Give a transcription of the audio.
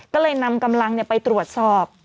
ก็เลยนำกำลังไปตรวจสอบ